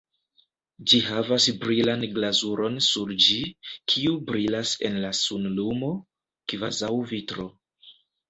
Ĝi havas brilan glazuron sur ĝi, kiu brilas en la sunlumo kvazaŭ vitro.